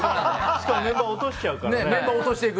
しかもメンバー落としちゃうからね。